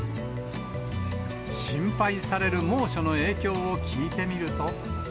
心配される猛暑の影響を聞いてみると。